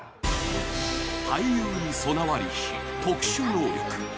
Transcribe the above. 俳優に備わりし特殊能力。